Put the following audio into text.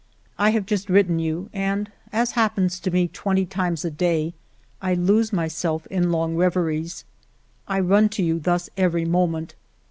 I have just written you and, as happens to me twenty times a day, I lose my self in long reveries. I run to you thus every moment.